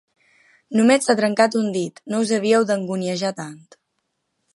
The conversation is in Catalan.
Només s'ha trencat un dit: no us havíeu d'anguniejar tant.